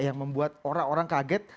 yang membuat orang orang kaget